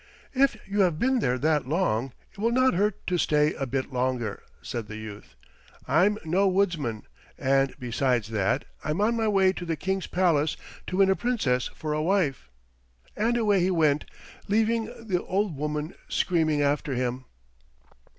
"If you have been there that long it will not hurt to stay a bit longer," said the youth. "I'm no woodsman, and besides that I'm on my way to the King's palace to win a Princess for a wife." And away he went, leaving the old woman screaming after him.